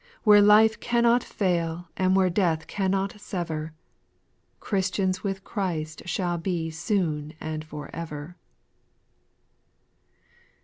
Where life cannot fail and where death can not sever. Christians with Christ shall be soon and for ever. SPIRITUAL S0N08.